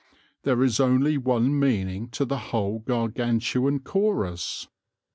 There is only one meaning to the whole gargantuan chorus.